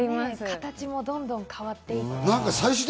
形もどんどん変わっていきます。